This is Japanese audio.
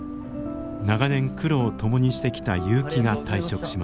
長年苦労を共にしてきた結城が退職しました。